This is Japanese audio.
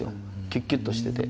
キュッキュッとしてて。